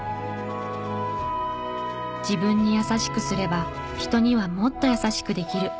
自分に優しくすれば人にはもっと優しくできる。